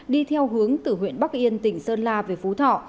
đi theo hướng từ huyện bắc yên tỉnh sơn la về phú thọ